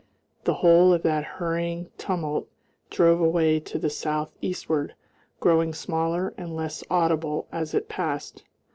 The whole of that hurrying tumult drove away to the south eastward, growing smaller and less audible as it passed.